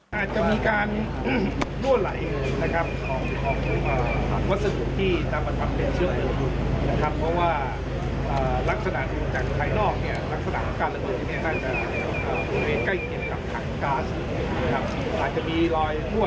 ด้านของนายนัทจับใจรองอธิบดิกรมเจ้าท่าก็เปิดเผยบอกว่า